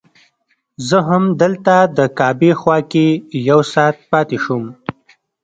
زه همدلته د کعبې خوا کې یو ساعت پاتې شوم.